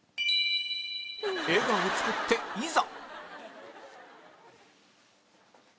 笑顔を作っていざ！